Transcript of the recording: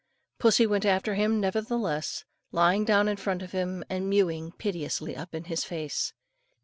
Pussy went after him nevertheless, lying down in front of him, and mewing piteously up in his face.